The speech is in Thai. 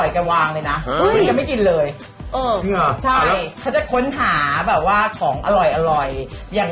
เขาจะค้นหากุ้งอร่อย